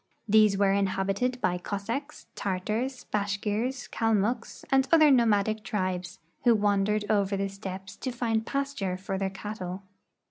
These were inhab ited by Cossacks, Tartars, Bashkirs, Kalmucks, and other no madic tribes, who wandered over the steppes to find pasture for their cattle.